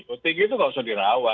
otg itu nggak usah dirawat